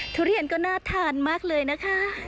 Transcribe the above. ทุเรียนก็น่าทานมากเลยนะคะ